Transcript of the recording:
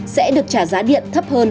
sẽ được trả giá điện thấp hơn